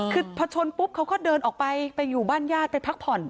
คือพอชนปุ๊บเขาก็เดินออกไปไปอยู่บ้านญาติไปพักผ่อน